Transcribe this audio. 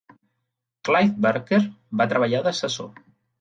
Clive Barker va treballar d'assessor.